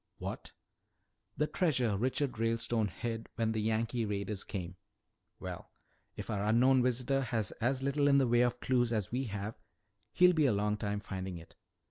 "What?" "The treasure Richard Ralestone hid when the Yankee raiders came." "Well, if our unknown visitor has as little in the way of clues as we have, he'll be a long time finding it."